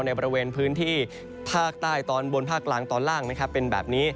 ในบริเวณพื้นที่ภาคใต้ตอนบนภาคกลางตอนล่างนะครับเป็นแบบนี้